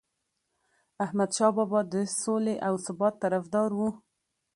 احمدشاه بابا د سولې او ثبات طرفدار و.